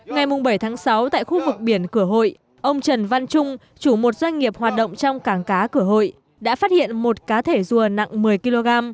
ngày bảy sáu tại khu vực biển cửa hội ông trần văn trung chủ một doanh nghiệp hoạt động trong cảng cá cửa hội đã phát hiện một cá thể rùa nặng một mươi kg